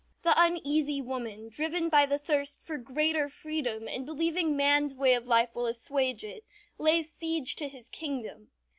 The Uneasy Woman, driven by the thirst for greater freedom, and believing man's way of life will assuage it, lays siege to his kingdom.